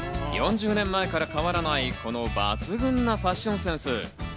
４０年前から変わらない抜群なファッションセンス。